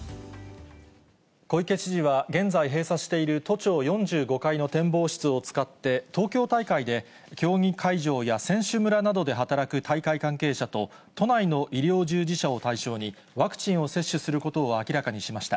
小池知事は、現在、閉鎖している都庁４５階の展望室を使って、東京大会で競技会場や選手村などで働く大会関係者と、都内の医療従事者を対象に、ワクチンを接種することを明らかにしました。